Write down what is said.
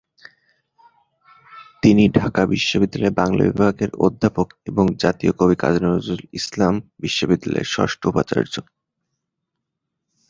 তিনি ঢাকা বিশ্ববিদ্যালয়ের বাংলা বিভাগের অধ্যাপক এবং জাতীয় কবি কাজী নজরুল ইসলাম বিশ্ববিদ্যালয়ের ষষ্ঠ উপাচার্য।